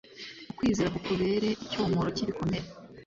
ukwizera kukubere icyomoro cy’ibikomere